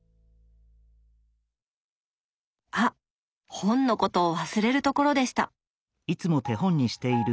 あっ本のことを忘れるところでした！